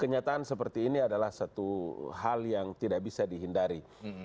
kenyataan seperti ini adalah satu hal yang tidak bisa dihindari